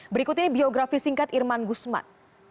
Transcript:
berikut ini biografi singkat irman guzman